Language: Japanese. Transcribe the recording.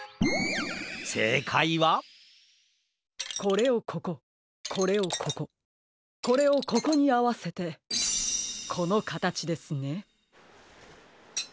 せいかいはこれをこここれをこここれをここにあわせてこのかたちですね。